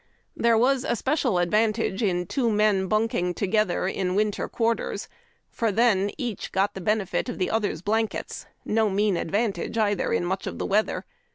There was a special advantage in two men bunking together in winter quarters, for then each got the benefit of the other's blankets — no mean advantage, either, in mucli of the weather.